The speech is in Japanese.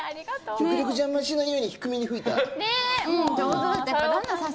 極力、邪魔しないように低めに吹いた。